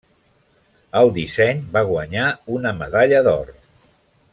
El disseny va guanyar una medalla d'or.